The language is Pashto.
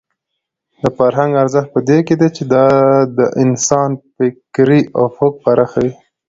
د فرهنګ ارزښت په دې کې دی چې دا د انسان فکري افق پراخوي.